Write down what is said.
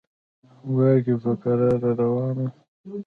کواګې په کراره روان و.